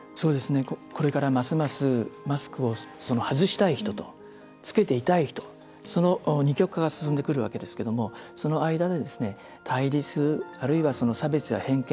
これから、ますますマスクを外したい人とつけていたい人その二極化が進んでくるわけですが、その間で対立、あるいは差別や偏見。